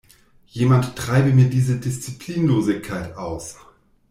Jemand treibe mir diese Disziplinlosigkeit aus!